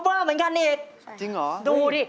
เต้นคอปเวอร์เหมือนกันอีกดูสิจริงเหรอ